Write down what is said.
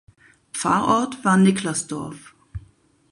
Pfarrort war Niklasdorf.